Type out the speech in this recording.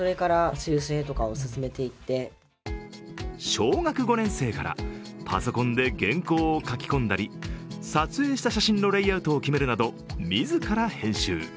小学５年生からパソコンで原稿を書き込んだり撮影した写真のレイアウトを決めるなど自ら編集。